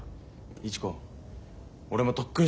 市子俺も特訓してくれ。